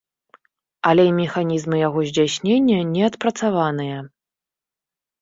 Але механізмы яго здзяйснення не адпрацаваныя.